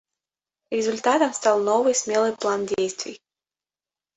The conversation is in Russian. Результатом стал новый смелый план действий.